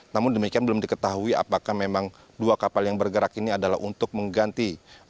namun demikian belum diketahui apakah memang dua kapal yang bergerak ini adalah untuk mengganti